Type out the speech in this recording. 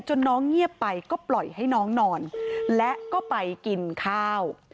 น้องเงียบไปก็ปล่อยให้น้องนอนและก็ไปกินข้าว